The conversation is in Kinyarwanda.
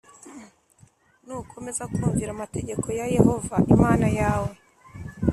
Nukomeza kumvira amategeko ya Yehova Imana yawe